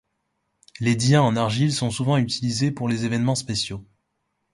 Les diyas en argile sont souvent utilisées pour les événements spéciaux.